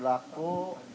ya di sini